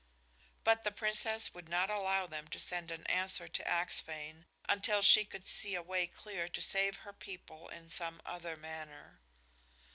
But the Princess would not allow them to send an answer to Axphain until she could see a way clear to save her people in some other manner.